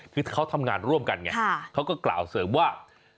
คือเขาทำงานร่วมกันไงเขาก็กล่าวเสริมว่า